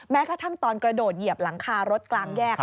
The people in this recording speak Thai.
กระทั่งตอนกระโดดเหยียบหลังคารถกลางแยก